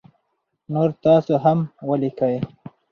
نور تاسو هم ولیکی